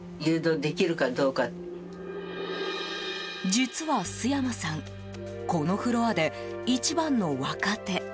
実は須山さんこのフロアで一番の若手。